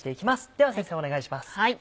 では先生お願いします。